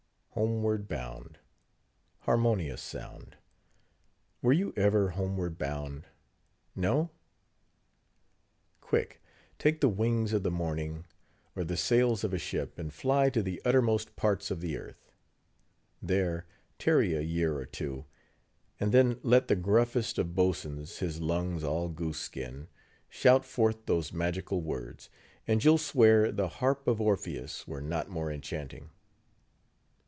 Homeward bound!—harmonious sound! Were you ever homeward bound?—No?—Quick! take the wings of the morning, or the sails of a ship, and fly to the uttermost parts of the earth. There, tarry a year or two; and then let the gruffest of boatswains, his lungs all goose skin, shout forth those magical words, and you'll swear "the harp of Orpheus were not more enchanting."